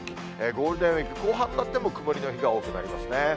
ゴールデンウィーク後半になっても、曇りの日が多くなりますね。